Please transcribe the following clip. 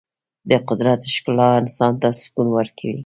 د قدرت ښکلا انسان ته سکون ورکوي.